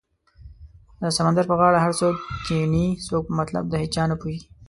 د سمندر په غاړه هر څوک کینې څوک په مطلب د هیچا نه پوهیږې